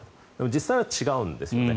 実際は違うんですよね。